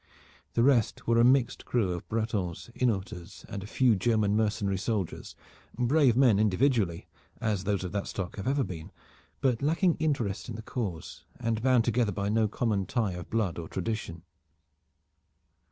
The rest were a mixed crew of Bretons, Hainaulters and a few German mercenary soldiers, brave men individually, as those of that stock have ever been, but lacking interest in the cause, and bound together by no common tie of blood or tradition.